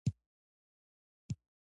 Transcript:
ژورې سرچینې د افغان ځوانانو لپاره دلچسپي لري.